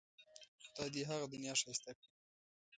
خدای دې یې هغه دنیا ښایسته کړي.